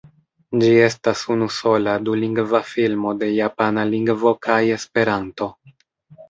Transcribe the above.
Ĝi estas unu sola dulingva filmo de japana lingvo kaj esperanto.